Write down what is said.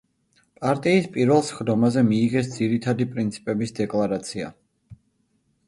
პარტიის პირველ სხდომაზე მიიღეს ძირითადი პრინციპების დეკლარაცია.